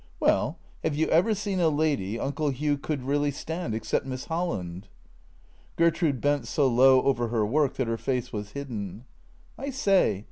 " Well, have you ever seen a lady Uncle Hugh could really stand — except Miss Holland ?" Gertrude bent so low over her work that her face was hid den. " I say